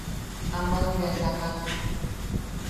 Aman bea sajak;.